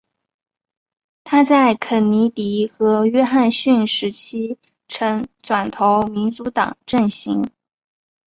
她在肯尼迪和约翰逊时期曾转投民主党阵型。